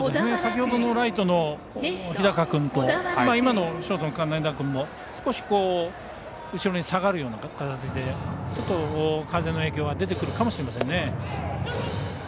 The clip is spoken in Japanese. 先ほどのライトの日高君と今のショートも少し後ろに下がるような形でちょっと風の影響が出てくるかもしれませんね。